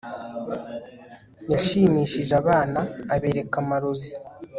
yashimishije abana abereka amarozi